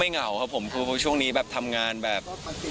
ไม่เหงาผมพูดช่วงนี้แบบทำงานแบบ